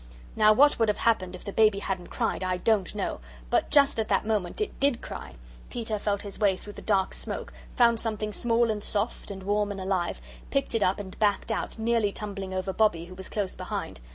Now what would have happened if the baby hadn't cried I don't know but just at that moment it DID cry. Peter felt his way through the dark smoke, found something small and soft and warm and alive, picked it up and backed out, nearly tumbling over Bobbie who was close behind.